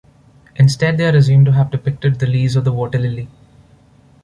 Instead they are assumed to have depicted the leaves of the water-lily.